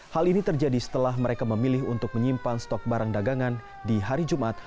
hal ini terjadi setelah mereka memilih untuk menyimpan stok barang dagangan di hari jumat